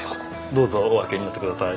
どうぞお開けになってください。